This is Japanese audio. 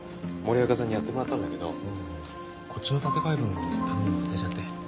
こっちの立て替え分頼むの忘れちゃって。